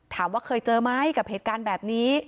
ถามว่าเคยเจอไหมกับเหตุการณ์แบบนี้